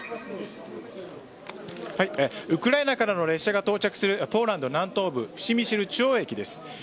ウクライナからの列車が到着するポーランド南東部プシェミシル中央駅です。